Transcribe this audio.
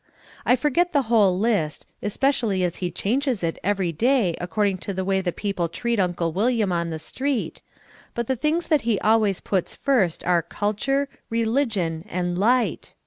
I forget the whole list, especially as he changes it every day according to the way that people treat Uncle William on the street, but the things that he always puts first are Culture, Religion, and Light.